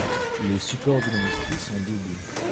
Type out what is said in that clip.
Les supports du manuscrit sont doubles.